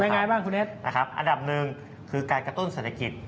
ยังไงบ้างคุณเอ็ดนะครับอันดับหนึ่งคือการกระตุ้นเศรษฐกิจ